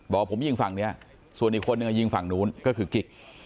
บอกผมยิงฝั่งนี้ส่วนอีกคนนึงยิงฝั่งนู้นก็คือกิ๊ก